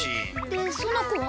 でその子は？